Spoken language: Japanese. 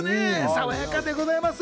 爽やかです。